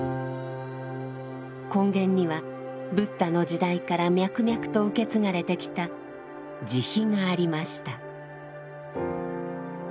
根源にはブッダの時代から脈々と受け継がれてきた慈悲がありました。